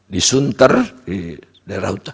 disunter di daerah utara